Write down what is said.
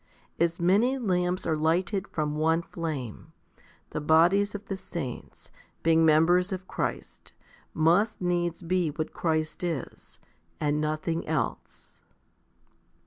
2 As many lamps are lighted from one flame, the bodies of the saints, being members of Christ, must needs be what Christ is> and nothing else.